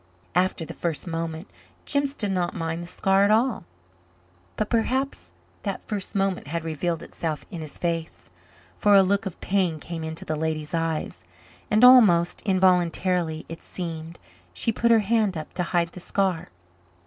After the first moment Jims did not mind the scar at all. But perhaps that first moment had revealed itself in his face, for a look of pain came into the lady's eyes and, almost involuntarily it seemed, she put her hand up to hide the scar.